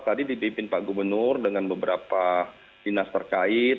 tadi dipimpin pak gubernur dengan beberapa dinas terkait